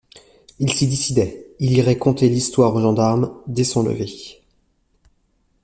Il s’y décidait, il irait conter l’histoire aux gendarmes, dès son lever.